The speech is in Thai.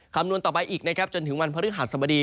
คำนวณต่อไปอีกนะครับจนถึงวันพฤหัสบดี